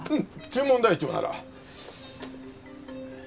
注文台帳なら。